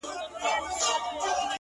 دا نو ژوند سو درد یې پرېږده او یار باسه،